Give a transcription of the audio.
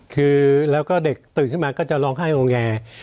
คือแล้วก็เด็กตื่นขึ้นมาก็จะร้องไห้งอแง